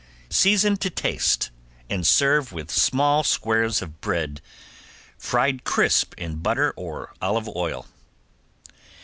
Season to taste and serve with small squares of bread fried crisp in butter or olive oil.